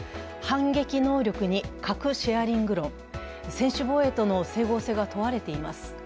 反撃能力に核シェアリング論、専守防衛との整合性が問われています。